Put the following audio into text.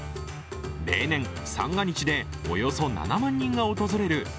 例年、三が日でおよそ７万人が訪れる